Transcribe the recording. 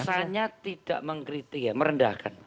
tapi kesannya tidak mengkritik ya merendahkan